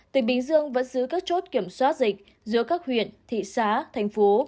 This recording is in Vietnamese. tỉnh bình dương vẫn giữ các chốt kiểm soát dịch giữa các huyện thị xã thành phố